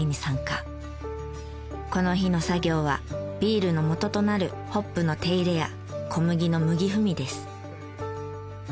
この日の作業はビールのもととなるホップの手入れや小麦の麦踏みです。